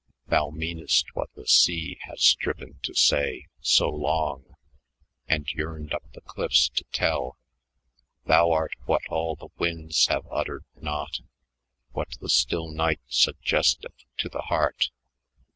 Thou meanest what the sea has striven to say So long, and yearned up the cliffs to tell; Thou art what all the winds have uttered not, What the still night suggesteth to the heart.